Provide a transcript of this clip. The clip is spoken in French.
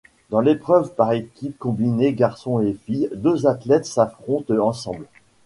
Dans l'épreuve par équipe combinée garçons et filles, deux athlètes s'affrontent ensemble.